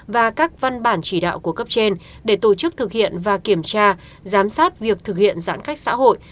và các văn bản chỉ đạo của cấp trên để tổ chức thực hiện và kiểm tra giám sát việc thực hiện giãn cách xã hội